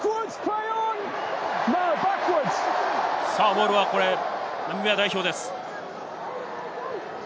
ボールはナミビア代表です。